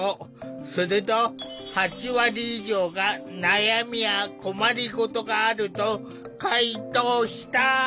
すると８割以上が悩みや困りごとがあると回答した。